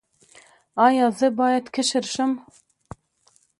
ایا زه باید کشر شم؟